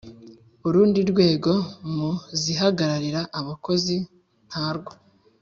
Urundi rwego mu zihagararira abakozi ntarwo.